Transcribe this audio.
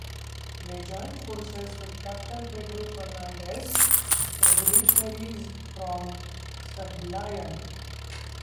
They joined forces with Captain Pedro Fernandez' revolutionaries from Sablayan.